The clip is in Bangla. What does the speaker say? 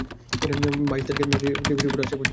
বাইশ তারিখে রিপোর্টে আসে পজিটিভ।